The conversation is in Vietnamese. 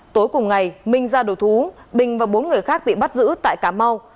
tối cùng ngày minh ra đầu thú bình và bốn người khác bị bắt giữ tại cà mau